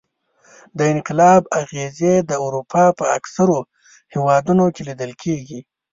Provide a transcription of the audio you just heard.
د انقلاب اغېزې د اروپا په اکثرو هېوادونو کې لیدل کېدې.